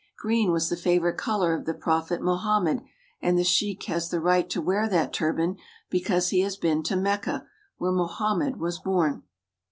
Green was the favorite color of the prophet Mohammed, and the sheik has the right to wear that turban because he has been to Mecca, where Mohammed was born.